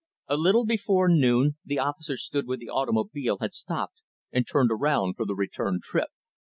A little before noon, the officer stood where the automobile had stopped and turned around for the return trip.